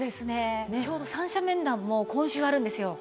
ちょうど三者面談も今週あるんですよ。